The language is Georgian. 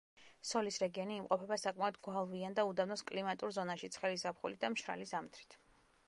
სოლის რეგიონი იმყოფება საკმაოდ გვალვიან და უდაბნოს კლიმატურ ზონაში, ცხელი ზაფხულით და მშრალი ზამთრით.